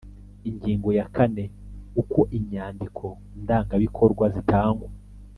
Ingingo ya kane Uko inyandiko ndangabikorwa zitangwa